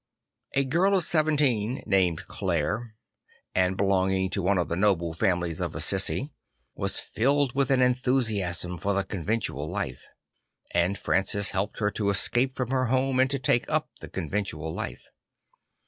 A girl of seventeen, named Clare and belonging to one r:r he r:r hree Order J 12 7 of the noble families of Assisi, was filled with an enthusiasm for the conventual life; and Francis helped her to escape from her home and to take up the conventual life.